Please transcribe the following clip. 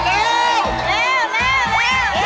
โอ้ว